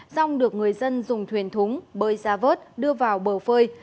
rong được người dân dùng thuyền thúng bơi ra vớt đưa vào bờ phơi